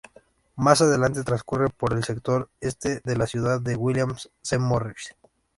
Más adelante transcurre por el sector este de la ciudad de William C. Morris.